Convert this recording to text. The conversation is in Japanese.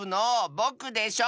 ぼくでしょ！